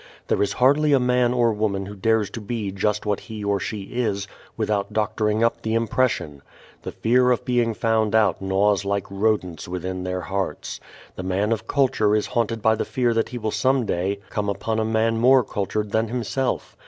There is hardly a man or woman who dares to be just what he or she is without doctoring up the impression. The fear of being found out gnaws like rodents within their hearts. The man of culture is haunted by the fear that he will some day come upon a man more cultured than himself.